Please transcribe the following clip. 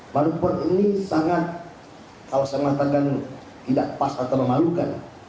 manuver ini sangat kalau saya mengatakan tidak pas atau memalukan